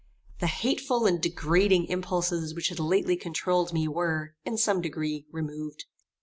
The hateful and degrading impulses which had lately controuled me were, in some degree, removed.